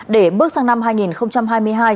để bước sang năm hai nghìn hai mươi hai